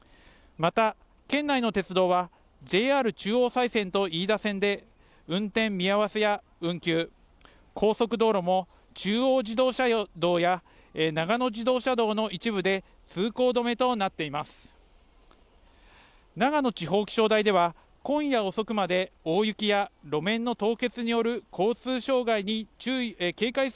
また、県内の鉄道は、ＪＲ中央西線と飯田線で、運転見合わせや運休、高速道路も中央自動車道や長野自動車道の一部で、通行止めとなっています。